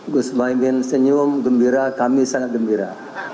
gus mohaimin senyum gembira kami sangat gembira